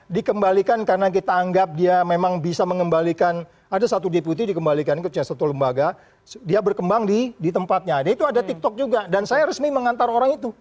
dikembalikan karena kita anggap dia memang bisa mengembalikan ada satu deputi dikembalikan ke satu lembaga dia berkembang di tempatnya dia itu ada tiktok juga dan saya resmi mengantar orang itu